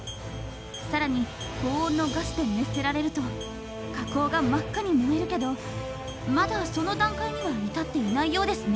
更に高温のガスで熱せられると火口が真っ赤に燃えるけどまだその段階には至っていないようですね。